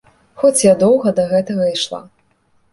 Хоць я доўга да гэтага ішла.